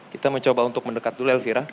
kita mencoba untuk mendekat dulu elvira